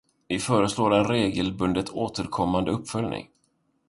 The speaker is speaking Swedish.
Vi föreslår en regelbundet återkommande uppföljning.